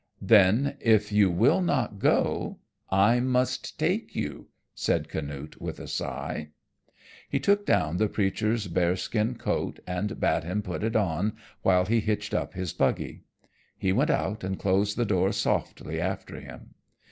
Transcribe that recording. "Then if you will not go I must take you," said Canute with a sigh. He took down the preacher's bearskin coat and bade him put it on while he hitched up his buggy. He went out and closed the door softly after him.